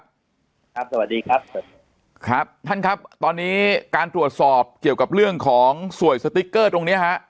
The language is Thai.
สวัสดีครับผมครับท่านครับตอนนี้การตรวจสอบเกี่ยวกับเรื่องของสวยสติ๊กเกอร์ตรงเนี้ยฮะ